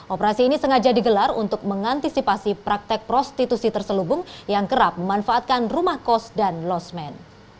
operasi ini sengaja digelar untuk mengantisipasi praktek prostitusi terselubung yang kerap memanfaatkan rumah kos dan losmen